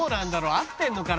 合ってるのかな？